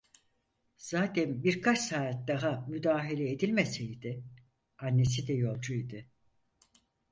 Zaten birkaç saat daha müdahale edilmeseydi, annesi de yolcu idi.